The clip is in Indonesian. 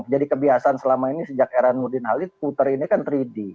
jadi kebiasaan selama ini sejak era nurdin halid voter ini kan tiga d